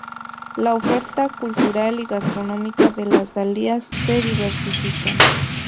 La oferta cultural y gastronómica de Las Dalias se diversifica.